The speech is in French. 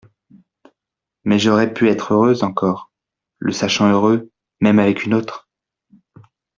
Mais j'aurais pu être heureuse encore, le sachant heureux même avec une autre.